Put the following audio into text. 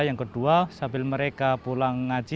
yang kedua sambil mereka pulang ngaji